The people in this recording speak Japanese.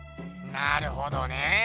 なるほどね。